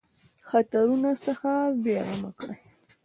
خطرونو څخه بېغمه کړي.